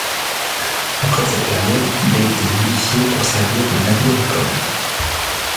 Après cette période il a été modifié pour servir de navire-école.